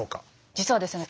実はですね